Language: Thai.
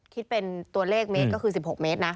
คิดเป็นตัวเลขเมตรก็คือ๑๖เมตรนะ